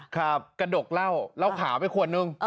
กระดกเล่าเล่าขาวไปคนหนึ่ง